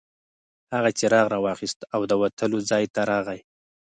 هغه څراغ راواخیست او د وتلو ځای ته راغی.